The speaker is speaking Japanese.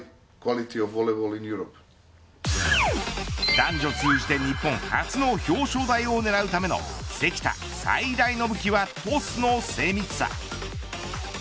男女通じて日本初の表彰台を狙うための関田最大の武器はトスの精密さ。